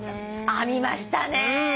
編みましたね。